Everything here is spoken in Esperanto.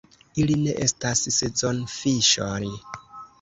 Ili ne estas sezonfiŝoj.